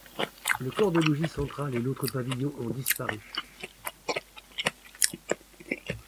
Le corps de logis central et l'autre pavillon ont disparu.